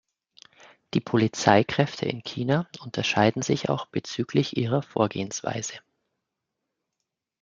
Die Polizeikräfte in China unterscheiden sich auch bezüglich ihrer Vorgehensweise.